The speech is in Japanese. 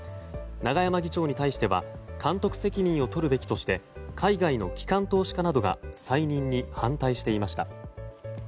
永山議長に対しては監督責任を取るべきとして海外の機関投資家などが再任に反対していました。